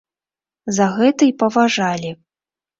За гэта і паважалі.